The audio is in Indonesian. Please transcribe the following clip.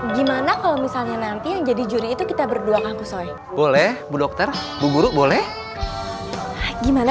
gimana kalau misalnya nanti jadi juri itu kita berdua kang pusoi boleh bu dokter bu guru boleh gimana